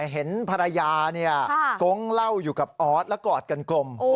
เห็นภรรยากงเหล้าอยู่กับออสแล้วกอดกันกลม